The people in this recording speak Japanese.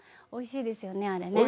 おいしいですよねあれ。